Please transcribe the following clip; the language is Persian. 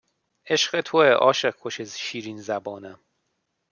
عشق توئه عاشق کش شیرین زبانم